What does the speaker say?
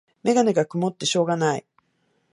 メガネがくもってしょうがない